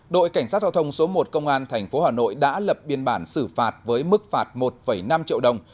đội cảnh sát giao thông số một công an tp hà nội đã lập biên bản xử phạt với mức phạt một năm triệu đồng